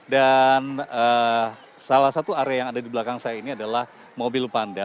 dan salah satu area yang ada di belakang saya ini adalah mobil panda